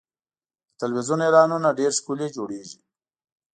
د تلویزیون اعلانونه ډېر ښکلي جوړېږي.